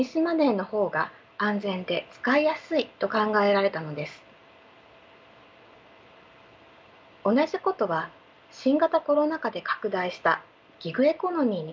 同じことは新型コロナ禍で拡大したギグエコノミーに関しても言えます。